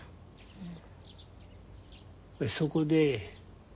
うん。